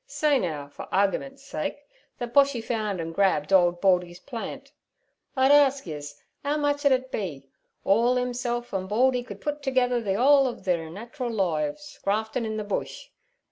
Say now for r ar rgimen's sake thet Boshy found an' grabbled ould Baldy's plant: I'd arsk yez 'ow much ud it be—orl himself an' Baldy could put together the whole ov thir nat'ral loives graftin' in ther Bush?